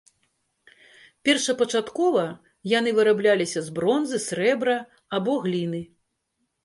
Першапачаткова яны вырабляліся з бронзы, срэбра або гліны.